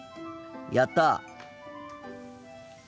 やった！